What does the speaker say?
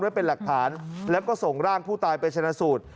เป็นหลักฐานแล้วก็ส่งร่างผู้ตายไปชนะสูตร